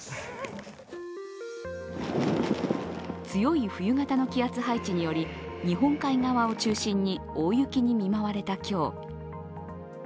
強い冬型の気圧配置により日本海側を中心に大雪に見舞われた今日